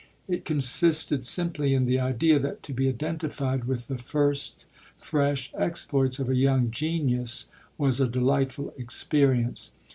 It consisted simply in the idea that to be identified with the first fresh exploits of a young genius was a delightful experience.